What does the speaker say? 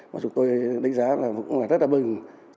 mà chúng tôi đánh giá là cũng là rất là mừng